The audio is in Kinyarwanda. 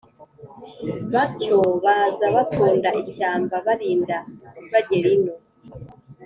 batyo baza bakunda ishyamba barinda bagera ino